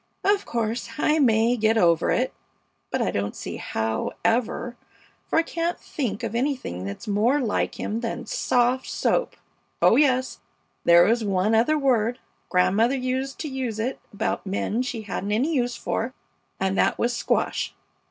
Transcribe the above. Of course, I may get over it, but I don't see how ever, for I can't think of anything that's more like him than soft soap! Oh yes, there is one other word. Grandmother used to use it about men she hadn't any use for, and that was "squash."